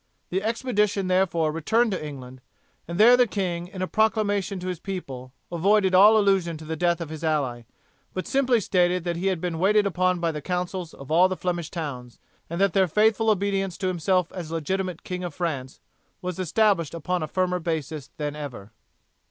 The expedition therefore returned to England, and there the king, in a proclamation to his people, avoided all allusion to the death of his ally, but simply stated that he had been waited upon by the councils of all the Flemish towns, and that their faithful obedience to himself as legitimate King of France, was established upon a firmer basis than ever.